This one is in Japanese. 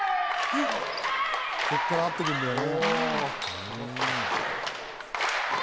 ここから合っていくんだよね。